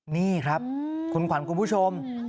นี่ครับคุณขวัญคุณผู้ชม